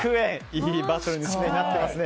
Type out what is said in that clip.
いいバトルになってますね。